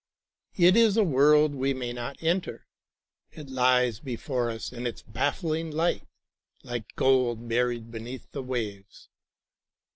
It is a world we may not enter. It lies before us in its baffling light like gold buried beneath the waves.